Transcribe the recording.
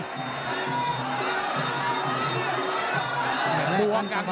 ทำไมทำไมทำไม